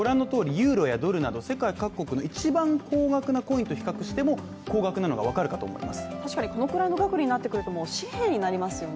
ユーロやドルなど世界各国の一番高額なものと比較しても、高額なのがわかるかと思います。